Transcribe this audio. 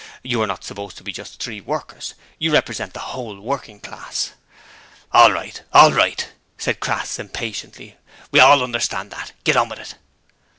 You are not supposed to be just three workers you represent the whole Working Class.' 'All right, all right,' said Crass, impatiently, 'we all understand that. Git on with it.'